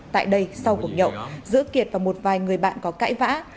tại đây sau cuộc nhậu giữa kiệt và một vài người bạn có cãi vã